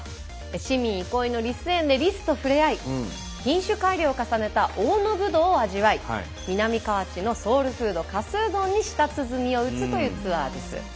市民憩いのリス園でリスとふれあい品種改良を重ねた大野ぶどうを味わい南河内のソウルフードかすうどんに舌鼓を打つというツアーです。